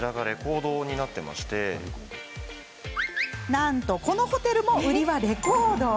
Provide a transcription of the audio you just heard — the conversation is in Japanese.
なんと、このホテルも売りはレコード。